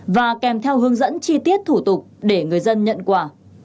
và kèm theo hướng dẫn chi tiết thủ tục để người dân nhận quà